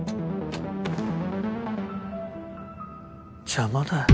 邪魔だよ。